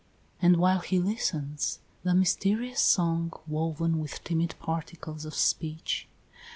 XXI. And while he listens, the mysterious song, Woven with timid particles of speech.